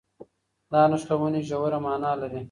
دا نښلونې ژوره مانا لري.